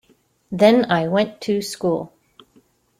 Then I went to school.